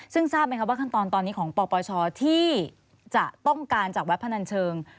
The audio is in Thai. ซึ่งทราบไหมครับว่าขั้นตอนตอนนี้ของปปชที่จะต้องการจากเว็บพนันเชิง